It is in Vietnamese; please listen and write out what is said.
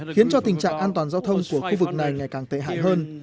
khiến cho tình trạng an toàn giao thông của khu vực này ngày càng tệ hại hơn